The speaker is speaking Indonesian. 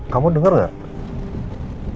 kamu denger gak